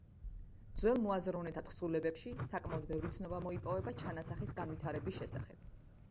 ძველ მოაზროვნეთა თხზულებებში საკმაოდ ბევრი ცნობა მოიპოვება ჩანასახის განვითარების შესახებ.